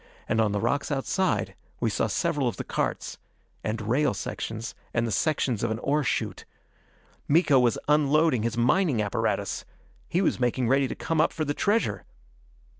And on the rocks outside, we saw several of the carts and rail sections and the sections of an ore shute. Miko was unloading his mining apparatus! He was making ready to come up for the treasure!